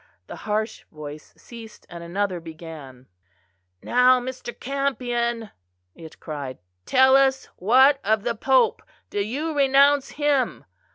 The harsh voice ceased, and another began: "Now, Mr. Campion," it cried, "tell us, What of the Pope? Do you renounce him?"